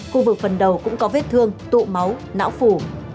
khu vực phần đầu cũng có vết thương tụ máu não phủ